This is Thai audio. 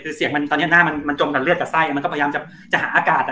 คือซองหน้ามันจมละเลือดจากไส้มันก็พยายามจะหาอากาศ